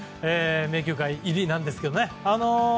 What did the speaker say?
名球会入りなんですけどね。